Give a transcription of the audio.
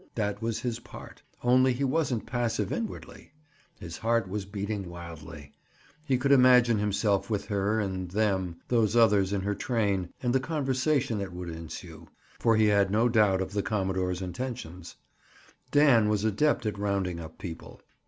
That was his part. Only he wasn't passive inwardly. His heart was beating wildly. He could imagine himself with her and them—those others in her train—and the conversation that would ensue, for he had no doubt of the commodore's intentions. Dan was an adept at rounding up people.